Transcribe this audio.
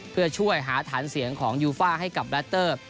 เพื่อช่วยหาฐานเสียงของยูฟ่าให้กับแรตเตอร์